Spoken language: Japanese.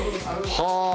はあ！